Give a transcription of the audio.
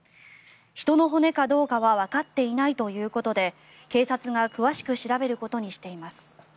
人の骨かどうかはわかっていないということで警察が詳しく調べることにしています。